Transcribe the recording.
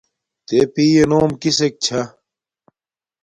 تݺ پِیئݺ نݸم کِسݵک چھݳ؟